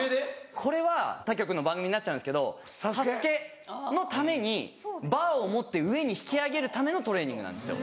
・これは他局の番組になっちゃうんですけど『ＳＡＳＵＫＥ』のためにバーを持って上に引き上げるためのトレーニングなんですよ。